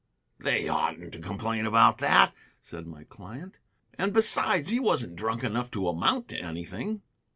"They oughtn't to complain about that," said my client; "and besides, he wasn't drunk enough to amount to anything."